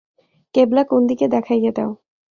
কেবলা কোন দিকে দেখাইয়া দেও!